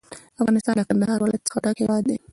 افغانستان له کندهار ولایت څخه ډک هیواد دی.